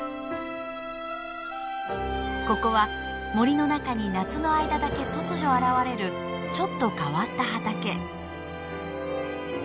ここは森の中に夏の間だけ突如現れるちょっと変わった畑。